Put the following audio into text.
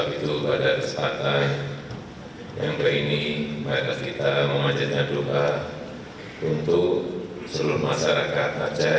sebab itu pada kesempatan yang ke ini baiklah kita memanjatkan doa untuk seluruh masyarakat aceh